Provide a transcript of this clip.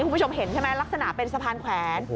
คุณผู้ชมเห็นใช่ไหมลักษณะเป็นสะพานแขวน